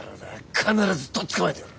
必ずとっ捕まえてやる！